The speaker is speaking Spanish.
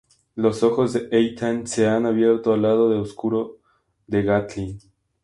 Los ojos de Ethan se han abierto al lado oscuro de Gatlin.